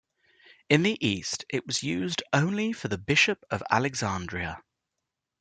In the East it was used only for the Bishop of Alexandria.